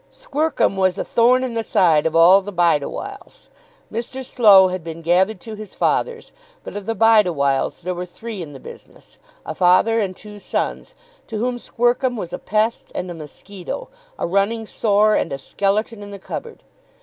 Squercum was a thorn in the side of all the Bideawhiles. Mr. Slow had been gathered to his fathers, but of the Bideawhiles there were three in the business, a father and two sons, to whom Squercum was a pest and a musquito, a running sore and a skeleton in the cupboard.